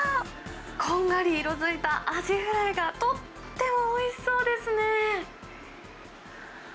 こんがり色づいたアジフライが、とってもおいしそうですね！